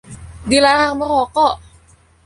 Dilarang merokok!